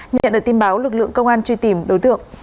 nhận được tin báo lực lượng công an truy tìm đối tượng